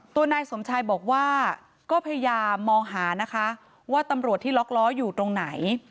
นายสมชายบอกว่าก็พยายามมองหานะคะว่าตำรวจที่ล็อกล้ออยู่ตรงไหน